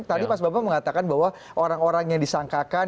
tadi mas bambang mengatakan bahwa orang orang yang disangkakan